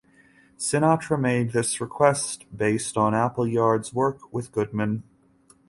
Sinatra made this request based on Appleyard's work with Goodman.